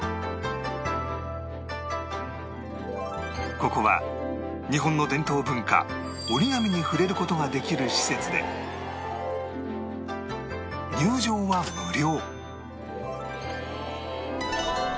ここは日本の伝統文化折り紙に触れる事ができる施設で入場は無料